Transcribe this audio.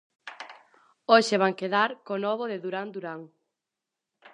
Hoxe van quedar co novo de Durán Durán.